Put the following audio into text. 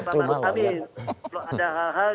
pak maruf amin ada hal hal